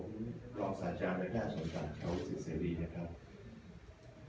ผมรองสาธารณ์นะครับสนใจชาวศิษย์เสรีนะครับ